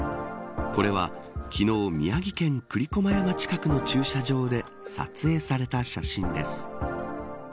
これは昨日、宮城県栗駒山近くの駐車場で撮影された写真です。